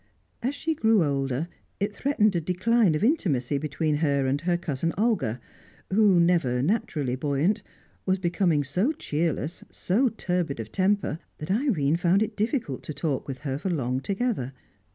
As she grew older, it threatened a decline of intimacy between her and her cousin Olga, who, never naturally buoyant, was becoming so cheerless, so turbid of temper, that Irene found it difficult to talk with her for long together.